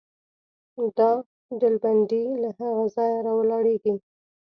دا ډلبندي له هغه ځایه راولاړېږي.